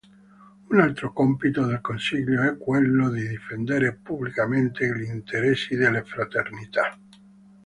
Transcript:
Un altro compito del Consiglio è quello di difendere pubblicamente gli interessi delle fraternità.